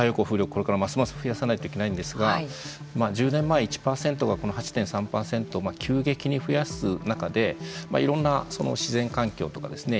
これからますます増やさないといけないんですが１０年前１％がこの８．３％急激に増やす中でまあいろんな自然環境とかですね